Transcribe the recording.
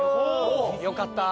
よかった！